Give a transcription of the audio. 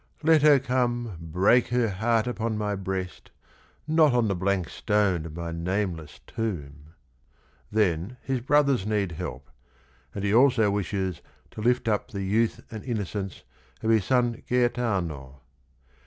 ."Let her come break her heart upon my breast Not on the blank stone of my nameless tomb 1 " Then his brothers need help, and he also wishes to "lift up the youth and innocence" of his son Gaetano.